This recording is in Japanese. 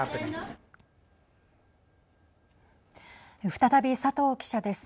再び、佐藤記者です。